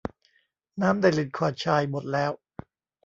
น้ำในลินคอล์นไชร์หมดแล้ว